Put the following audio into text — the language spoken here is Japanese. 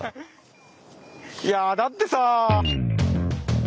いやだってさ。